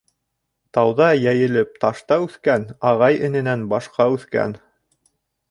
Тауҙа йәйелеп ташта үҫкән, ағай-эненән башҡа үҫкән.